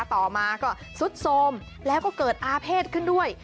ต่อมาก็สุดโทรมแล้วก็เกิดอาเภษขึ้นด้วย